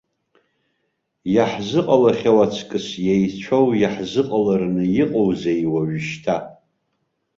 Иаҳзыҟалахьоу аҵкыс еицәоу иаҳзыҟалараны иҟоузеи уажәшьҭа.